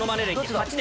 ８年。